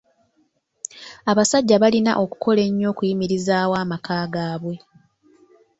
Abasajja balina okukola ennyo okuyimirizaawo amaka gaabwe.